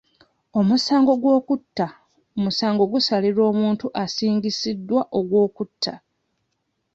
Omusango gw'okutta musango ogusalirwa omuntu asingisiddwa ogw'okutta.